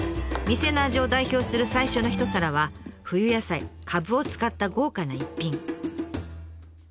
店の味を代表する最初の一皿は冬野菜かぶを使った豪華な一品。